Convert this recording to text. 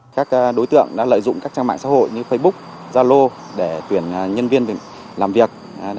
các đối tượng đã lợi dụng các trang mạng xã hội như facebook zalo để tuyển nhân viên làm việc